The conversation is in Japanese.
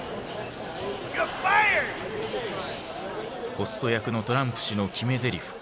ホスト役のトランプ氏の決めゼリフ